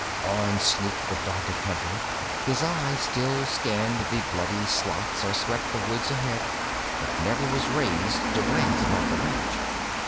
On sneaked the dogged hunter; his eye still scanned the bloody slots or swept the woods ahead, but never was raised to glance above the ledge.